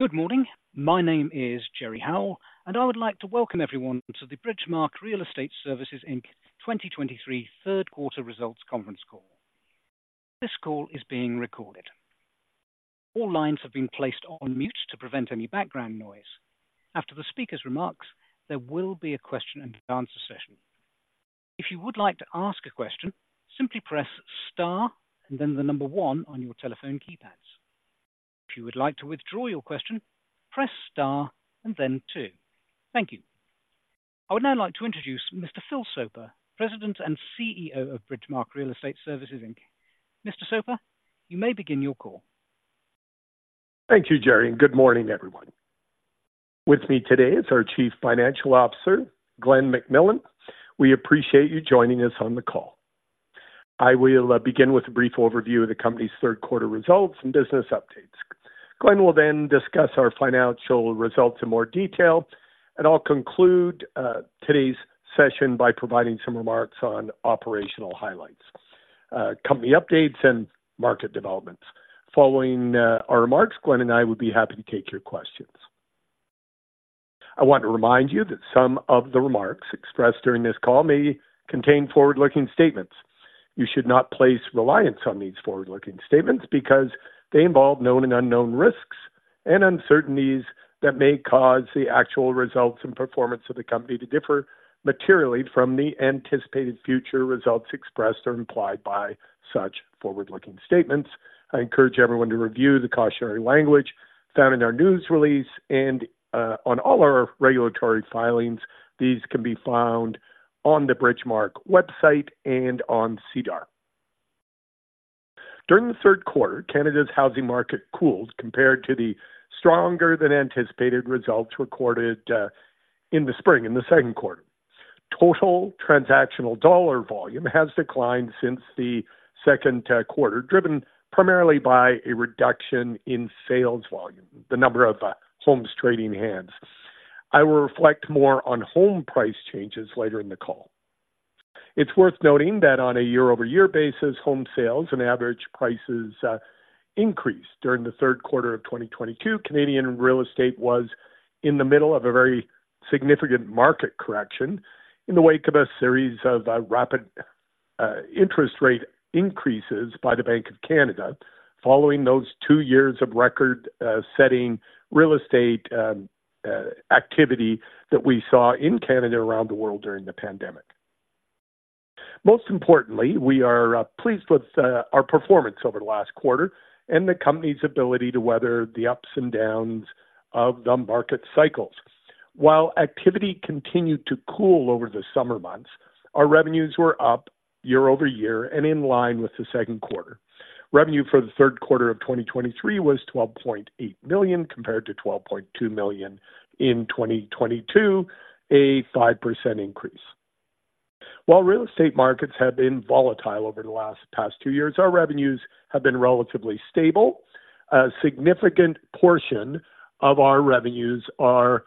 Good morning. My name is Jerry Howell, and I would like to welcome everyone to the Bridgemarq Real Estate Services Inc. 2023 third quarter results conference call. This call is being recorded. All lines have been placed on mute to prevent any background noise. After the speaker's remarks, there will be a question and answer session. If you would like to ask a question, simply press star and then the number one on your telephone keypads. If you would like to withdraw your question, press star and then two. Thank you. I would now like to introduce Mr. Phil Soper, President and CEO of Bridgemarq Real Estate Services Inc. Mr. Soper, you may begin your call. Thank you, Jerry, and good morning, everyone. With me today is our Chief Financial Officer, Glen McMillan. We appreciate you joining us on the call. I will begin with a brief overview of the company's third quarter results and business updates. Glen will then discuss our financial results in more detail, and I'll conclude today's session by providing some remarks on operational highlights, company updates, and market developments. Following our remarks, Glen and I would be happy to take your questions. I want to remind you that some of the remarks expressed during this call may contain forward-looking statements. You should not place reliance on these forward-looking statements because they involve known and unknown risks and uncertainties that may cause the actual results and performance of the company to differ materially from the anticipated future results expressed or implied by such forward-looking statements. I encourage everyone to review the cautionary language found in our news release and on all our regulatory filings. These can be found on the Bridgemarq website and on SEDAR. During the third quarter, Canada's housing market cooled compared to the stronger-than-anticipated results recorded in the spring, in the second quarter. Total Transactional Dollar Volume has declined since the second quarter, driven primarily by a reduction in sales volume, the number of homes trading hands. I will reflect more on home price changes later in the call. It's worth noting that on a year-over-year basis, home sales and average prices increased. During the third quarter of 2022, Canadian real estate was in the middle of a very significant market correction in the wake of a series of rapid interest rate increases by the Bank of Canada, following those two years of record setting real estate activity that we saw in Canada and around the world during the pandemic. Most importantly, we are pleased with our performance over the last quarter and the company's ability to weather the ups and downs of the market cycles. While activity continued to cool over the summer months, our revenues were up year-over-year and in line with the second quarter. Revenue for the third quarter of 2023 was 12.8 million, compared to 12.2 million in 2022, a 5% increase. While real estate markets have been volatile over the last past two years, our revenues have been relatively stable. A significant portion of our revenues are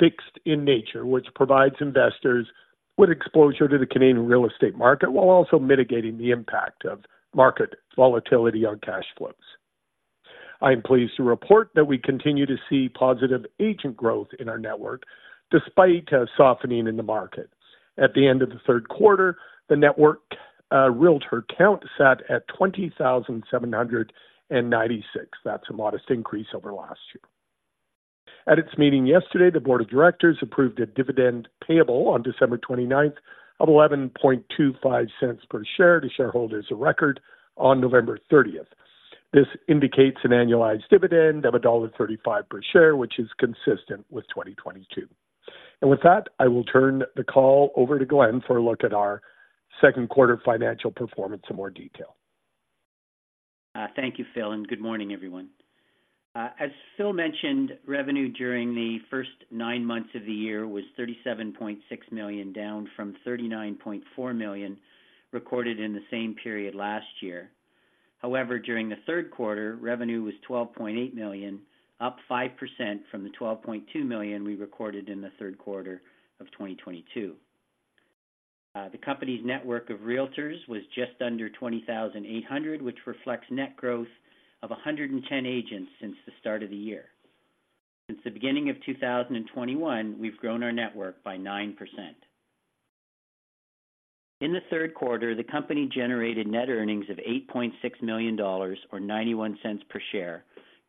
fixed in nature, which provides investors with exposure to the Canadian real estate market, while also mitigating the impact of market volatility on cash flows. I am pleased to report that we continue to see positive agent growth in our network, despite softening in the market. At the end of the third quarter, the network Realtor count sat at 20,796. That's a modest increase over last year. At its meeting yesterday, the board of directors approved a dividend payable on December 29th of 0.1125 per share to shareholders of record on November 30th. This indicates an annualized dividend of dollar 1.35 per share, which is consistent with 2022. With that, I will turn the call over to Glen for a look at our second quarter financial performance in more detail. Thank you, Phil, and good morning, everyone. As Phil mentioned, revenue during the first nine months of the year was 37.6 million, down from 39.4 million recorded in the same period last year. However, during the third quarter, revenue was 12.8 million, up 5% from the 12.2 million we recorded in the third quarter of 2022. The company's network of Realtors was just under 20,800, which reflects net growth of 110 agents since the start of the year. Since the beginning of 2021, we've grown our network by 9%. In the third quarter, the company generated net earnings of 8.6 million dollars, or 0.91 per share,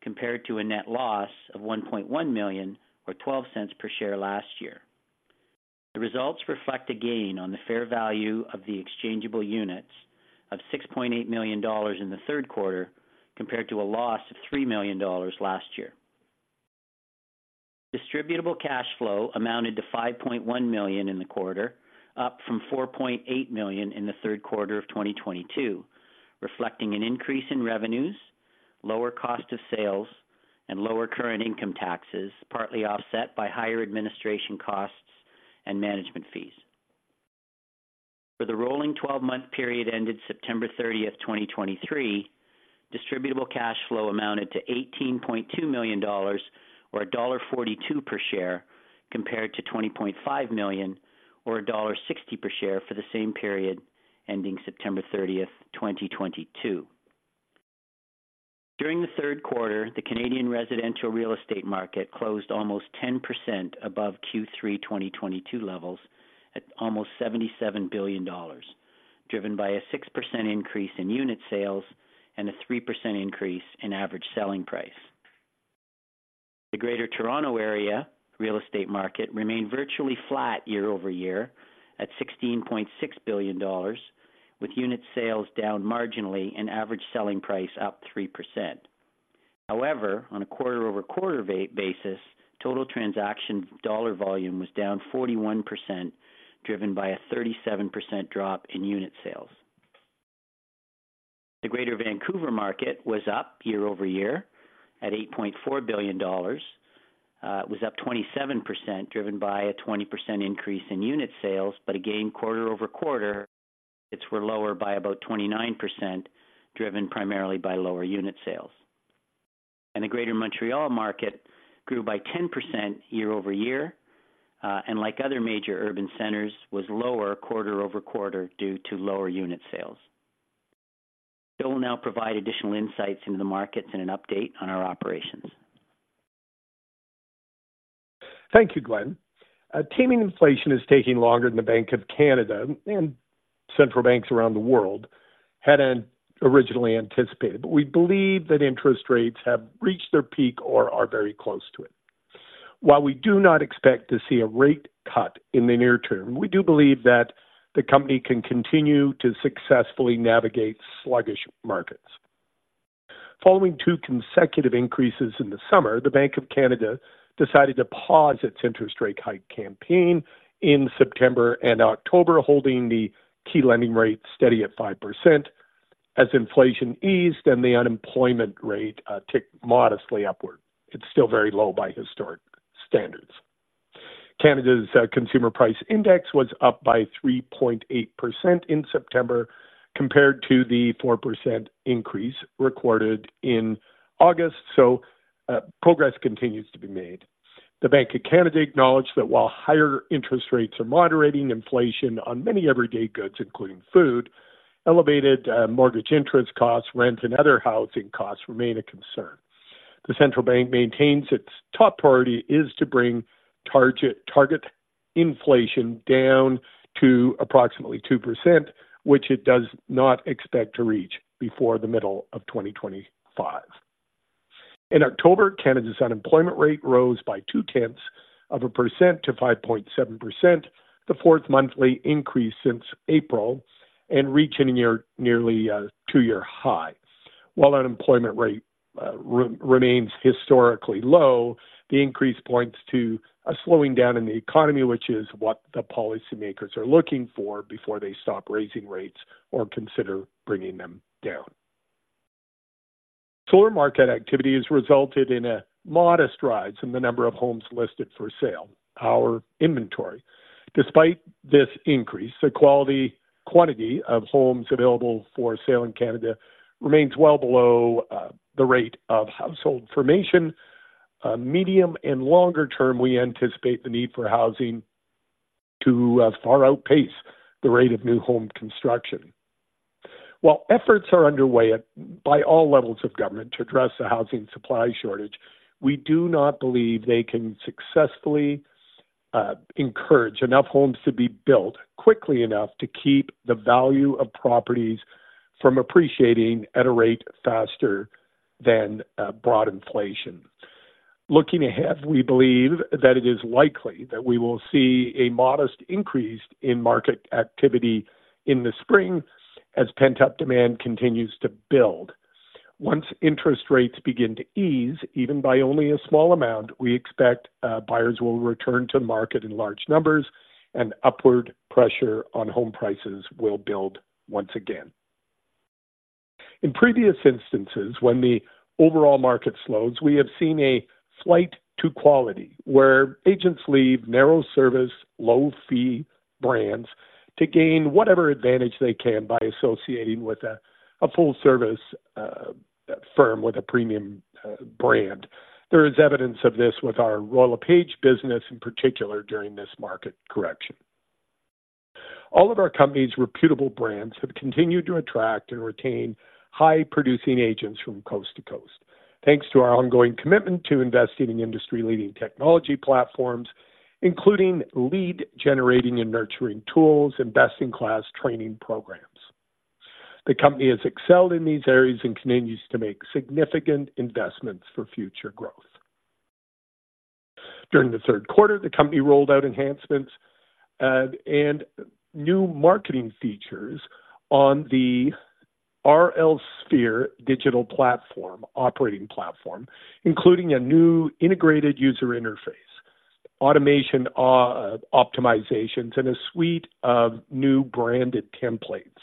compared to a net loss of 1.1 million, or 0.12 per share last year. The results reflect a gain on the fair value of the Exchangeable Units of 6.8 million dollars in the third quarter, compared to a loss of 3 million dollars last year. Distributable Cash Flow amounted to 5.1 million in the quarter, up from 4.8 million in the third quarter of 2022, reflecting an increase in revenues, lower cost of sales, and lower current income taxes, partly offset by higher administration costs and management fees. For the rolling 12-month period ended September 30, 2023, Distributable Cash Flow amounted to 18.2 million dollars, or dollar 1.42 per share, compared to 20.5 million or dollar 1.60 per share for the same period ending September 30, 2022. During the third quarter, the Canadian residential real estate market closed almost 10% above Q3 2022 levels at almost 77 billion dollars, driven by a 6% increase in unit sales and a 3% increase in average selling price. The Greater Toronto Area real estate market remained virtually flat year-over-year at 16.6 billion dollars, with unit sales down marginally and average selling price up 3%. However, on a quarter-over-quarter basis, total transaction dollar volume was down 41%, driven by a 37% drop in unit sales. The Greater Vancouver market was up year-over-year at 8.4 billion dollars. It was up 27%, driven by a 20% increase in unit sales. But again, quarter-over-quarter, it was lower by about 29%, driven primarily by lower unit sales. The Greater Montreal market grew by 10% year-over-year, and like other major urban centers, was lower quarter-over-quarter due to lower unit sales. Phil will now provide additional insights into the markets and an update on our operations. Thank you, Glen. Taming inflation is taking longer than the Bank of Canada and central banks around the world had originally anticipated, but we believe that interest rates have reached their peak or are very close to it. While we do not expect to see a rate cut in the near term, we do believe that the company can continue to successfully navigate sluggish markets. Following two consecutive increases in the summer, the Bank of Canada decided to pause its interest rate hike campaign in September and October, holding the key lending rate steady at 5% as inflation eased and the unemployment rate ticked modestly upward. It's still very low by historic standards. Canada's Consumer Price Index was up by 3.8% in September, compared to the 4% increase recorded in August, so progress continues to be made The Bank of Canada acknowledged that while higher interest rates are moderating inflation on many everyday goods, including food, elevated mortgage interest costs, rent and other housing costs remain a concern. The central bank maintains its top priority is to bring target inflation down to approximately 2%, which it does not expect to reach before the middle of 2025. In October, Canada's unemployment rate rose by 0.2% to 5.7%, the fourth monthly increase since April, and reaching nearly a two-year high. While unemployment rate remains historically low, the increase points to a slowing down in the economy, which is what the policymakers are looking for before they stop raising rates or consider bringing them down. Slower market activity has resulted in a modest rise in the number of homes listed for sale, our inventory. Despite this increase, the quantity of homes available for sale in Canada remains well below the rate of household formation. Medium and longer term, we anticipate the need for housing to far outpace the rate of new home construction. While efforts are underway by all levels of government to address the housing supply shortage, we do not believe they can successfully encourage enough homes to be built quickly enough to keep the value of properties from appreciating at a rate faster than broad inflation. Looking ahead, we believe that it is likely that we will see a modest increase in market activity in the spring as pent-up demand continues to build. Once interest rates begin to ease, even by only a small amount, we expect, buyers will return to market in large numbers and upward pressure on home prices will build once again. In previous instances, when the overall market slows, we have seen a flight to quality, where agents leave narrow service, low-fee brands to gain whatever advantage they can by associating with a full service, firm with a premium, brand. There is evidence of this with our Royal LePage business, in particular during this market correction. All of our company's reputable brands have continued to attract and retain high-producing agents from coast to coast. Thanks to our ongoing commitment to investing in industry-leading technology platforms, including lead generating and nurturing tools, and best-in-class training programs. The company has excelled in these areas and continues to make significant investments for future growth. During the third quarter, the company rolled out enhancements and new marketing features on the rlpSPHERE digital platform, operating platform, including a new integrated user interface, automation, optimizations, and a suite of new branded templates.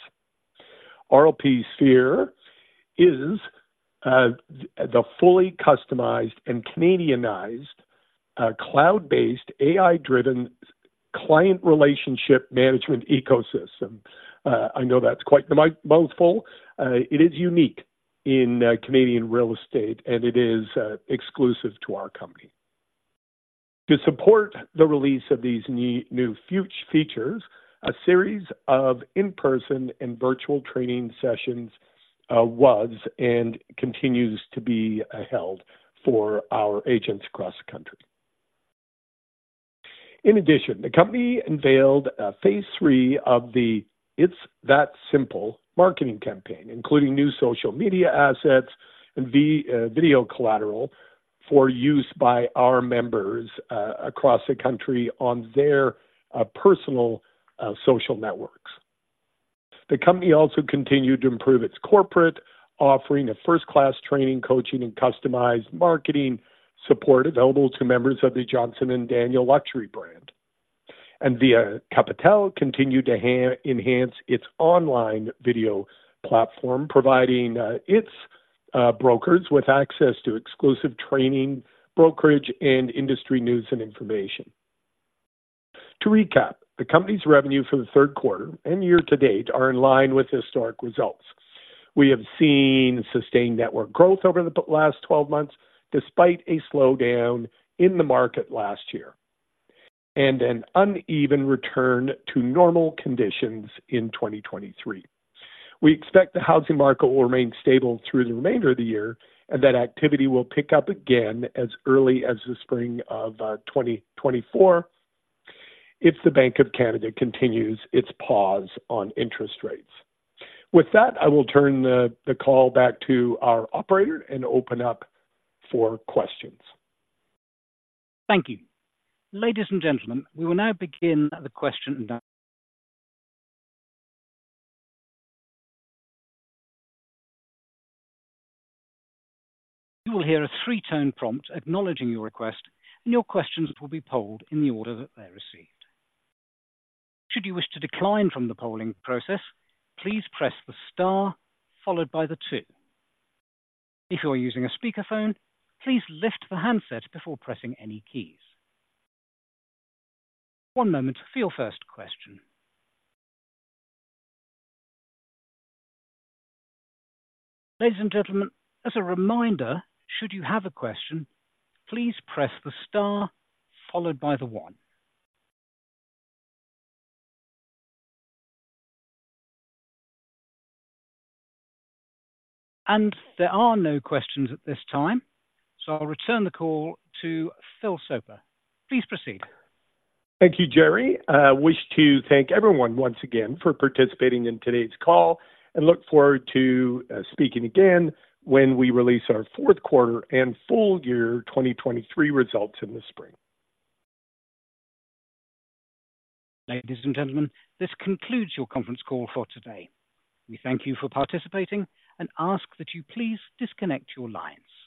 rlpSPHERE is the fully customized and Canadianized cloud-based, AI-driven client relationship management ecosystem. I know that's quite the mouthful. It is unique in Canadian real estate, and it is exclusive to our company. To support the release of these new features, a series of in-person and virtual training sessions was and continues to be held for our agents across the country. In addition, the company unveiled a phase three of the It's That Simple marketing campaign, including new social media assets and video collateral for use by our members across the country on their personal social networks. The company also continued to improve its corporate offering a first-class training, coaching, and customized marketing support available to members of the Johnston & Daniel luxury brand. Via Capitale continued to enhance its online video platform, providing its brokers with access to exclusive training, brokerage, and industry news and information. To recap, the company's revenue for the third quarter and year to date are in line with historic results. We have seen sustained network growth over the last 12 months, despite a slowdown in the market last year, and an uneven return to normal conditions in 2023. We expect the housing market will remain stable through the remainder of the year, and that activity will pick up again as early as the spring of 2024 if the Bank of Canada continues its pause on interest rates. With that, I will turn the call back to our operator and open up for questions. Thank you. Ladies and gentlemen, we will now begin the question and- You will hear a three-tone prompt acknowledging your request, and your questions will be polled in the order that they're received. Should you wish to decline from the polling process, please press the star followed by the two. If you are using a speakerphone, please lift the handset before pressing any keys. One moment for your first question. Ladies and gentlemen, as a reminder, should you have a question, please press the star followed by the one. There are no questions at this time, so I'll return the call to Phil Soper. Please proceed. Thank you, Jerry. I wish to thank everyone once again for participating in today's call and look forward to speaking again when we release ourr fourth quarter and full year 2023 results in the spring. Ladies and gentlemen, this concludes your conference call for today. We thank you for participating and ask that you please disconnect your lines.